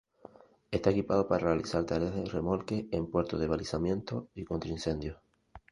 Está equipado para realizar tareas de remolque en puerto, de balizamiento, y contra incendios.